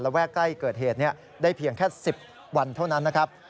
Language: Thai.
แวกใกล้เกิดเหตุได้เพียงแค่๑๐วันเท่านั้นนะครับ